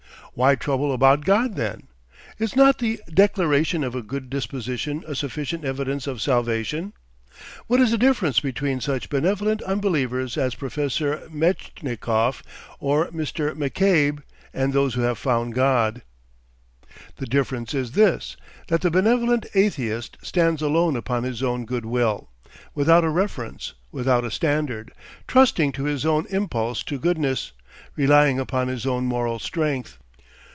Why trouble about God then? Is not the declaration of a good disposition a sufficient evidence of salvation? What is the difference between such benevolent unbelievers as Professor Metchnikoff or Mr. McCabe and those who have found God? The difference is this, that the benevolent atheist stands alone upon his own good will, without a reference, without a standard, trusting to his own impulse to goodness, relying upon his own moral strength.